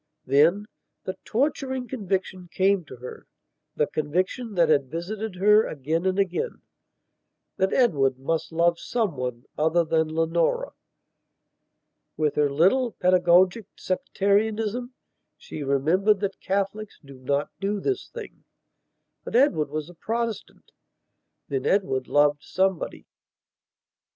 Then, the torturing conviction came to herthe conviction that had visited her again and againthat Edward must love some one other than Leonora. With her little, pedagogic sectarianism she remembered that Catholics do not do this thing. But Edward was a Protestant. Then Edward loved somebody....